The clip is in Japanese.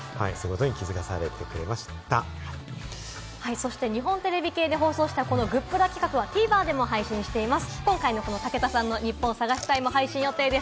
そして日本テレビ系で放送したグップラ企画はＴＶｅｒでも配信しています。